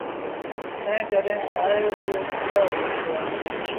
ائيٚݩ جڏهيݩ آئي اُئي اوليآ وٽ پُڳآ